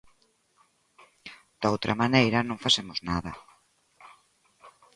Da outra maneira non facemos nada.